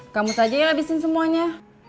kamu saja yang habisin semuanya